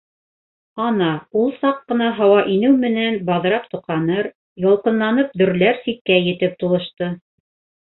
Ана ул саҡ ҡына һауа инеү менән баҙрап тоҡаныр, ялҡынланып дөрләр сиккә етеп тулышты.